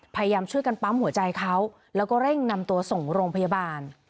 พยายามช่วยกันปั๊มหัวใจเขาแล้วก็เร่งนำตัวส่งโรงพยาบาล